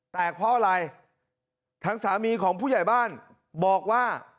เพราะอะไรทางสามีของผู้ใหญ่บ้านบอกว่า